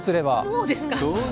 もうですか？